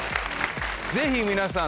ぜひ皆さん